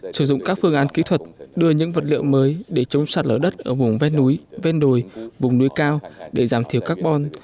sử dụng các phương án kỹ thuật đưa những vật liệu mới để chống sạt lở đất ở vùng ven núi ven đồi vùng núi cao để giảm thiểu carbon